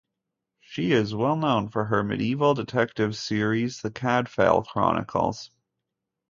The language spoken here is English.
She is well known for her medieval-detective series The Cadfael Chronicles.